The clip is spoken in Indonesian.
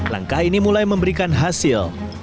langkah ini mulai memberikan hasil